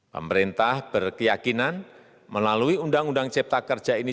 pemerintah berkeyakinan melalui undang undang cipta kerja ini